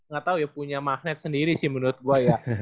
nggak tahu ya punya magnet sendiri sih menurut gue ya